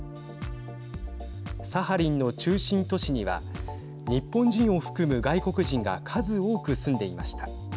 サハリンの中心都市には日本人を含む外国人が数多く住んでいました。